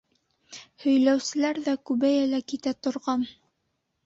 Һөйләүселәр ҙә күбәйә лә китә торған.